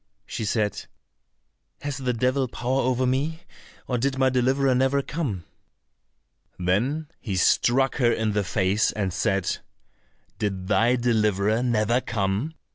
She said, "Has the devil power over me, or did my deliverer never come?" Then he struck her in the face, and said, "Did thy deliverer never come?